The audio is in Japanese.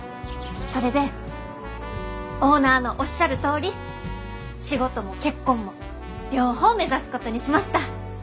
それでオーナーのおっしゃるとおり仕事も結婚も両方目指すことにしました。